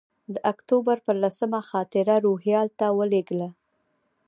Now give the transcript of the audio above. د اکتوبر پر لسمه خاطره روهیال ته ولېږله.